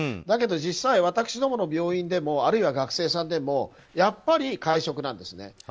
だけど実際、私どもの病院でもあるいは学生さんでもやっぱり会食なんですね。